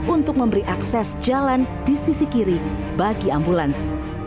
untuk memberi akses jalan di sisi kiri bagi ambulans